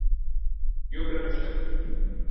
You blemished it.